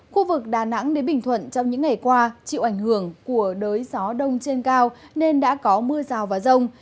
khu vực đà nẵng đến bình thuận trong những ngày qua chịu ảnh hưởng của đới gió đông trên cao nên đã có mưa rào và rông